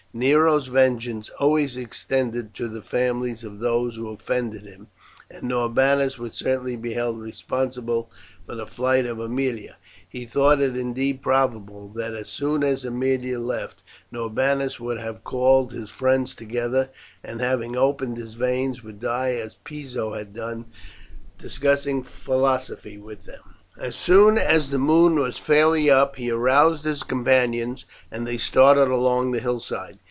Nero's vengeance always extended to the families of those who offended him, and Norbanus would certainly be held responsible for the flight of Aemilia. He thought it indeed probable that as soon as Aemilia left, Norbanus would have called his friends together, and, having opened his veins, would die as Piso had done discussing philosophy with them. As soon as the moon was fairly up he aroused his companions and they started along the hillside.